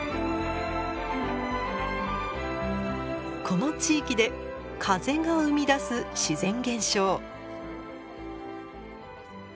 この地域で風が生み出す自然現象。